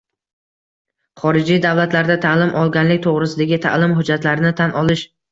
Xorijiy davlatlarda ta’lim olganlik to‘g‘risidagi ta’lim hujjatlarini tan olish